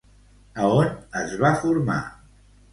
A on es va formar?